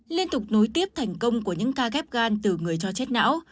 liên tục nối tiếp thành công của những ca ghép gan từ người cho chết não